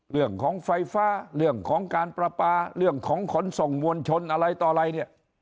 เรื่องของไฟฟ้าเรื่องของการประปาเรื่องของขนส่งมวลชนอะไรต่ออะไรเนี่ย